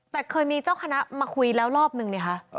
แต่เคยมีเจ้าคณะมาคุยแล้วรอบนึงนี่คะ